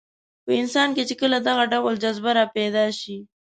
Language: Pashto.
په انسان کې چې کله دغه ډول جذبه راپیدا شي.